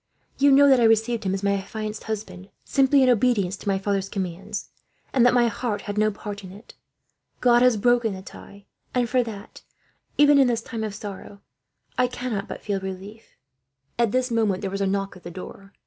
You know that I received him, as my affianced husband, simply in obedience to my father's commands; and that my heart had no part in it. God has broken the tie, and for that, even in this time of sorrow, I cannot but feel relief." At this moment there was a knock at the door.